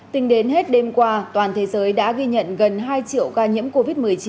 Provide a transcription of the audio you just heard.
tính đến hết đêm qua toàn thế giới đã ghi nhận gần hai triệu ca nhiễm covid một mươi chín